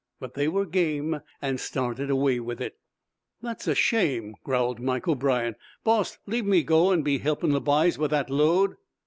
But they were game, and started away with it. "That's a shame," growled Mike O'brien. "Boss, leave me go 'an be helpin' the b'yes with that load."